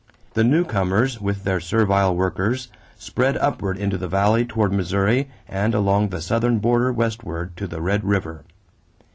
The newcomers, with their servile workers, spread upward in the valley toward Missouri and along the southern border westward to the Red River.